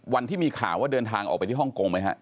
วันที่มีข่าวว่าเดินทางออกไปที่ฮ่องกงไหมฮะ